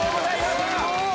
すごい！